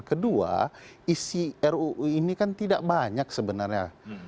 kedua isi ruu ini kan tidak banyak sebenarnya